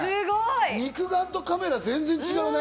肉眼とカメラ、全然違うね！